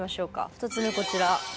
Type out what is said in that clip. ２つ目こちら。